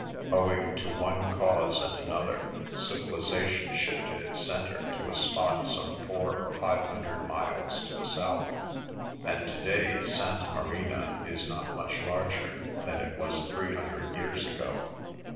Owing to one cause and another civilisation shifted its centre to a spot some four or five hundred miles to the south, and to day Santa Marina is not much larger than it was three hundred years ago.